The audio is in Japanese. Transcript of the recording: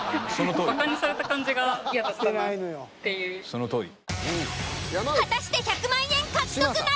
そのとおり。